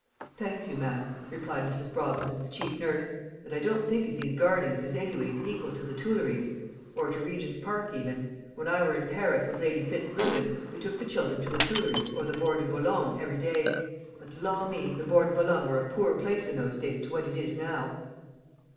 "Thank you, ma'am," replied Mrs. Brobson, the chief nurse; "but I don't think as these gardings is anyways equal to the Tooleries nor to Regent's Park even. When I were in Paris with Lady Fitz Lubin we took the children to the Tooleries or the Bore de Boulong every day but, law me! the Bore de Boulong were a poor place in those days to what it is now."